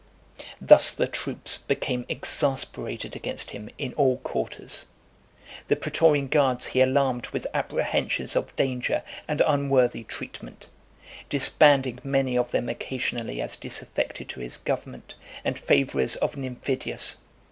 Thus the troops became exasperated against him in all quarters. The pretorian guards he alarmed with apprehensions of danger and unworthy treatment; disbanding many of them occasionally as disaffected to his government, and favourers of Nymphidius.